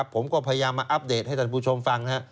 ผมก็พยายามมาอัปเดตให้ท่านผู้ชมฟัง